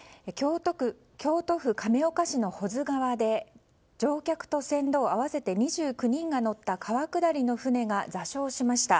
京都府亀岡市の保津川で乗客と船頭合わせて２９人が乗った川下りの舟が座礁しました。